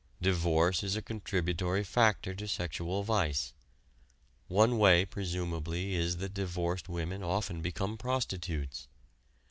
Divorce is a contributory factor to sexual vice. One way presumably is that divorced women often become prostitutes.